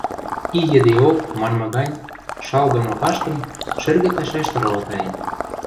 И йӹдеок, манмы гань, шал доно каштын, шӹргӹ пӓшӓштӹ ровотаен.